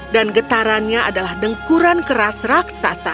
dan getarannya adalah dengkuran keras raksasa